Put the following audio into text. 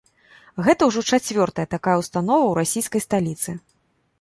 Гэта ўжо чацвёртая такая ўстанова ў расійскай сталіцы.